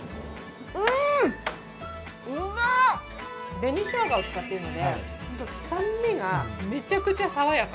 紅しょうがを使っているので、酸味がめちゃくちゃ、さわやか。